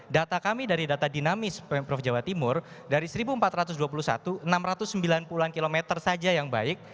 data kami dari data dinamis pemprov jawa timur dari satu empat ratus dua puluh satu enam ratus sembilan puluh an kilometer saja yang baik